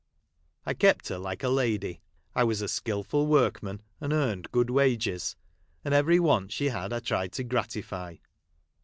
I kept her like a lady. I was a skilful Avorkman, and earned .good wages ; and every Avant she had. I tried, to .gratify.